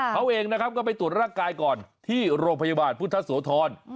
เขาเองนะครับก็ไปตรวจร่างกายก่อนที่โรงพยาบาลพุทธโสธร